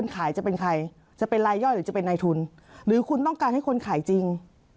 ก็ต้องการให้คนขายจริง